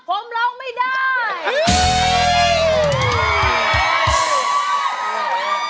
ผมร้องไม่ได้